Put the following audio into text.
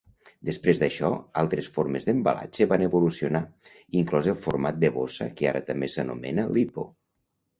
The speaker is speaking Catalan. Després d'això, altres formes d'embalatge van evolucionar, inclòs el format de bossa que ara també s'anomena "LiPo".